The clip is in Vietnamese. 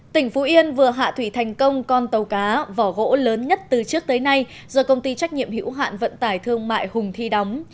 tỉnh phú yên vừa hạ thủy thành công con tàu cá vỏ gỗ lớn nhất từ trước tới nay do công ty trách nhiệm hữu hạn vận tải thương mại hùng thi đóng